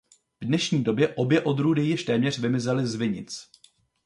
V dnešní době obě odrůdy již téměř vymizely z vinic.